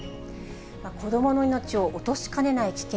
子どもの命を落としかねない危険。